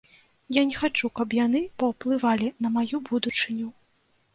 Я не хачу, каб яны паўплывалі на маю будучыню.